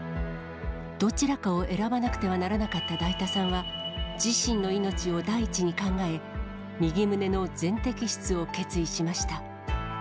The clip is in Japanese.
どちらかを選ばなくてはならなかっただいたさんは、自身の命を第一に考え、右胸の全摘出を決意しました。